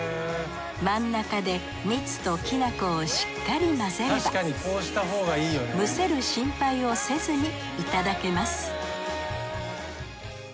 真ん中で蜜ときな粉をしっかり混ぜればむせる心配をせずにいただけます